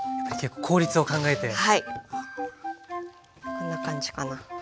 こんな感じかな。